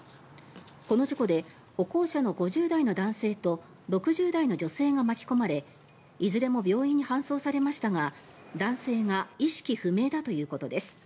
この事故で歩行者の５０代の男性と６０代の女性が巻き込まれいずれも病院に搬送されましたが男性が意識不明だということです。